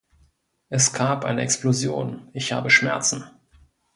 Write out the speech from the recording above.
Es gab eine Explosion, ich habe Schmerzen.